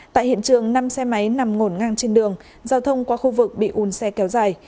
tại hiện trường năm xe máy nằm ngổn ngang trên đường giao thông qua khu vực bị un xe kéo dài